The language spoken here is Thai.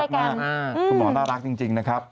คุณหมอน่ารักจริงนะครับ